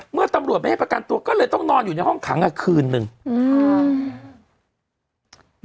เมื่อตำรวจไม่ให้ประกันตัวก็เลยต้องนอนอยู่ในห้องขังอ่ะคืนหนึ่งอืม